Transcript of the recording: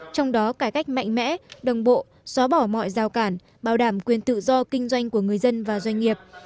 trong đó cải cách mạnh mẽ đồng bộ xóa bỏ mọi giao cản bảo đảm quyền tự do kinh doanh của người dân và doanh nghiệp